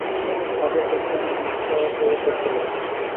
কাজের লোকগুলি মুখ চাওয়াচাওয়ি করতে লাগল।